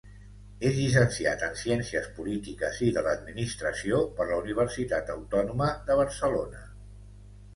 És llicenciat en Ciències Polítiques i de l’Administració per la Universitat Autònoma de Barcelona.